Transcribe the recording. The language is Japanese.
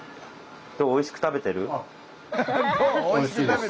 どうおいしく食べてる？